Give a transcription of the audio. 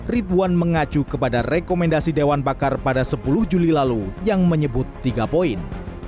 ridwan mengacu kepada rekomendasi dewan pakar pada sepuluh juli lalu yang menyebut tiga poin